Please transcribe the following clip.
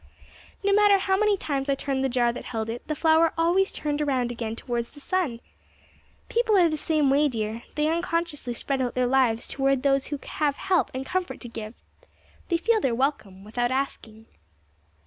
"No matter how many times I turned the jar that held it, the flower always turned around again towards the sun. People are the same way, dear. They unconsciously spread out their leaves towards those who have help and comfort to give. They feel they are welcome, without asking."